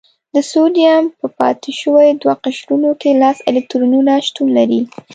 د سوډیم په پاتې شوي دوه قشرونو کې لس الکترونونه شتون لري.